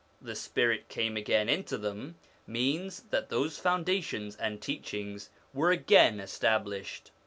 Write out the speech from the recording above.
The spirit came again into them, means that those foundations and teachings were again established.